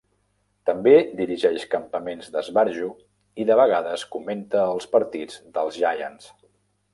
També dirigeix campaments d'esbarjo i, de vegades, comenta els partits dels Giants.